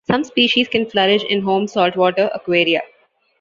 Some species can flourish in home saltwater aquaria.